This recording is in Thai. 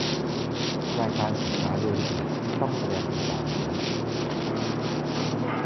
รายการสินค้าโดยละเอียดไม่ต้องแสดงบนกล่องไหม